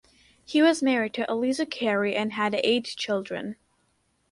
He was married to Eliza Cary and had eight children.